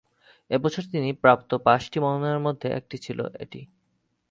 এ বছর তিনি প্রাপ্ত পাঁচটি মনোনয়নের মধ্যে একটি এটি ছিল।